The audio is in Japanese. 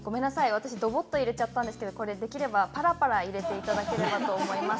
私、どぼっと入れちゃったんですけれどもできれば砂糖をぱらぱら入れていただければと思います。